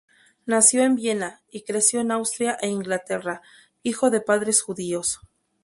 Nació en Viena, y creció en Austria e Inglaterra, hijo de padres judíos.